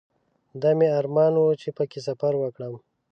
دا مې ارمان و چې په کې سفر وکړم.